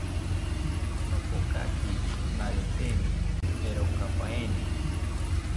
Nopokaki naretemi erokapaeni